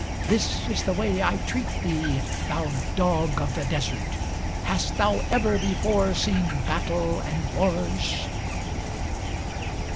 This is the way I treat thee, thou dog of the desert. Hast thou ever before seen battle and wars?